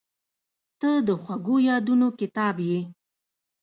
• ته د خوږو یادونو کتاب یې.